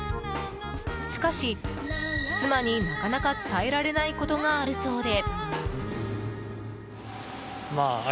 しかし、妻になかなか伝えられないことがあるそうで。